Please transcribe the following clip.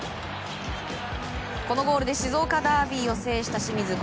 このゴールで静岡ダービーを制した清水。